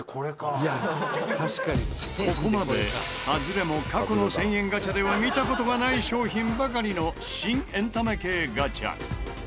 ここまでハズレも過去の１０００円ガチャでは見た事がない商品ばかりの新エンタメ系ガチャ。